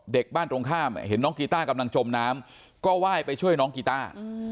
บ้านตรงข้ามเห็นน้องกีต้ากำลังจมน้ำก็ไหว้ไปช่วยน้องกีต้า